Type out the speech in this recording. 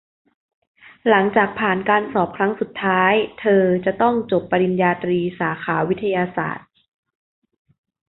หลังจากผ่านการสอบครั้งสุดท้ายเธอจะต้องจบปริญญาตรีสาขาวิทยาศาสตร์